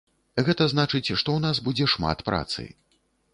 Гэта значыць, што ў нас будзе шмат працы.